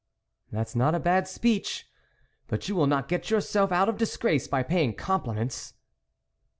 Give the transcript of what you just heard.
" That's not a bad speech ; but you will not get yourself out of disgrace by paying compliments."